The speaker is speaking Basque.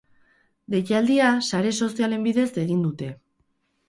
Deialdia sare sozialen bidez egin dute.